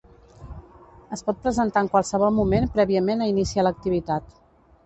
Es pot presentar en qualsevol moment prèviament a iniciar l'activitat.